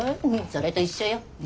それと一緒よ。